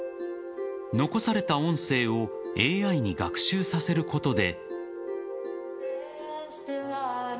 残された音声をＡＩに学習させることで。